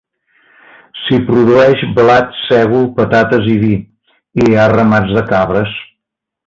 S'hi produeix blat, sègol, patates i vi, i hi ha ramats de cabres.